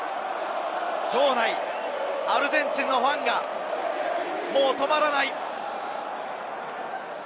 場内、アルゼンチンのファンがもう止まらない！